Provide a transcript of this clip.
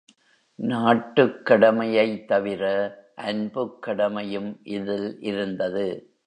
நாட்டுக் கடமையைத் தவிர அன்புக் கடமையும் இதில் இருந்தது.